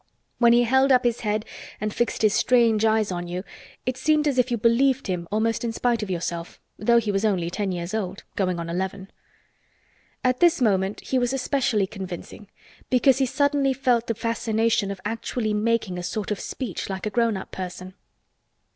When he held up his head and fixed his strange eyes on you it seemed as if you believed him almost in spite of yourself though he was only ten years old—going on eleven. At this moment he was especially convincing because he suddenly felt the fascination of actually making a sort of speech like a grown up person.